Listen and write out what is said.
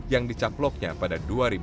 yang dicaploknya pada dua ribu empat belas